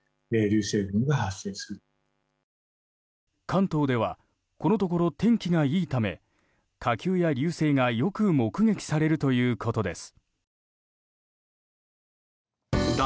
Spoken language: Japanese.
関東ではこのところ天気がいいため火球や流星がよく目撃されるということです。